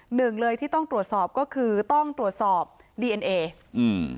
หนึ่งเลยที่ต้องตรวจสอบก็คือต้องตรวจสอบดีเอ็นเออืม